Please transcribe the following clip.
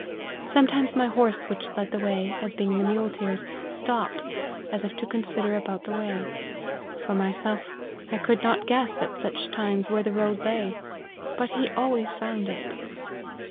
Sometimes my horse, which led the way, as being the muleteer's, stopped, as if to consider about the way : for myself, I could not guess, at such times, where the road lay ; but he always found it.